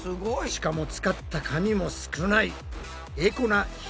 しかも使った紙も少ない。